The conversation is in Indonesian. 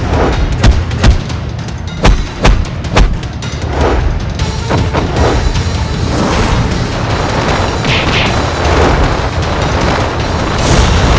hidup dari diri